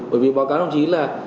bởi vì báo cáo đồng chí là